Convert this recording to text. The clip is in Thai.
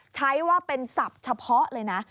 ใช้ว่าเป็นศัพท์เฉพาะเลยนะ